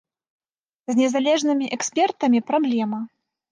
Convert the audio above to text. З незалежнымі экспертамі праблема.